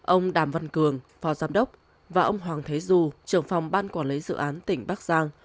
ông đàm văn cường phó giám đốc và ông hoàng thế du trưởng phòng ban quản lý dự án tỉnh bắc giang